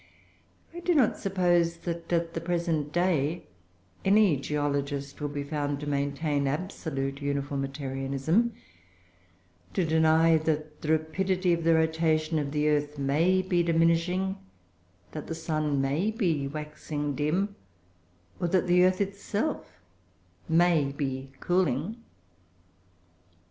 I do not suppose that, at the present day, any geologist would be found to maintain absolute Uniformitarianism, to deny that the rapidity of the rotation of the earth may be diminishing, that the sun may be waxing dim, or that the earth itself may be cooling.